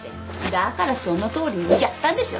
だからそのとおりにやったんでしょ。